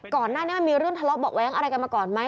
ก่อนหน้านี้มันมีเรื่องทะเลาะเบาะแว้งอะไรกันมาก่อนไหม